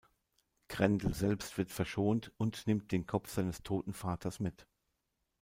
Grendel selbst wird verschont und nimmt den Kopf seines toten Vaters mit.